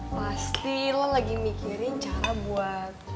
pasti lo lagi mikirin cara buat